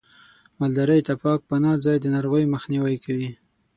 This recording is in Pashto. مالدارۍ ته پاک پناه ځای د ناروغیو مخنیوی کوي.